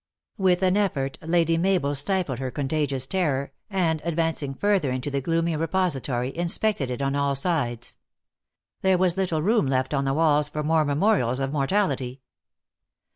With an effort Lady Mabel stifled her contagious 180 THE ACTRESS IN HIGH LIFE. terror, and, advancing further into the gloomy re pository, inspected it on all sides. There was little room left on the walls for more memorials of mor tality.